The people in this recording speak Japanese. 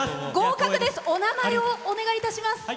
合格です、お名前をお願いいたします。